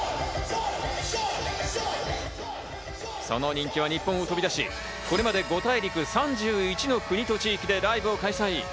その人気は日本を飛び出し、これまで五大陸３１の国と地域でライブを開催。